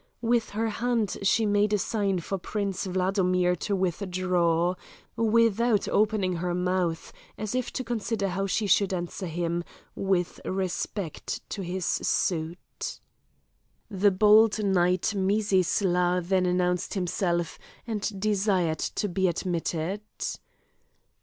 With her hand she made a sign for Prince Wladomir to withdraw, without opening her mouth, as if to consider how she should answer him with respect to his suit. The bold knight Mizisla then announced himself and desired to be admitted.